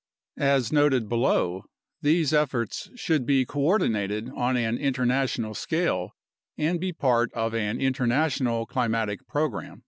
As noted below, these efforts should be coordinated on an international scale and be a part of an international climatic program.